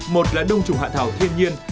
một là đồng trùng hạ thảo thiên nhiên